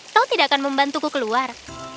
kau tidak akan membantuku keluar